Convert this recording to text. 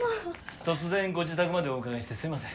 突然ご自宅までお伺いしてすみません。